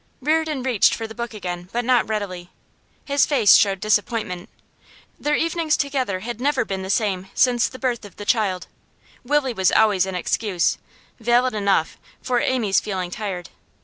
Reardon reached for the book again, but not readily. His face showed disappointment. Their evenings together had never been the same since the birth of the child; Willie was always an excuse valid enough for Amy's feeling tired.